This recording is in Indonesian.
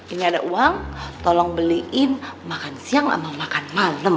ini ada uang tolong beliin makan siang sama makan malam